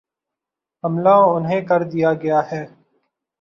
عملا انہیں کر دیا گیا ہے۔